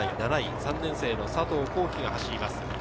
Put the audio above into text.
３年生・佐藤航希が走ります。